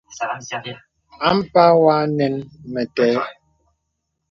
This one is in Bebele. Ampâ wɔ̄ ànə̀n mə têê.